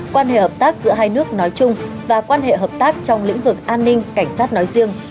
quan hệ hợp tác giữa hai nước nói chung và quan hệ hợp tác trong lĩnh vực an ninh cảnh sát nói riêng